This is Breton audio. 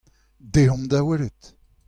Deomp da welet !